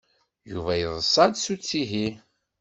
Yuba yeḍsa-d s uttihi.